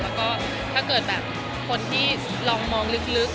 แล้วก็ถ้าเกิดแบบคนที่ลองมองลึก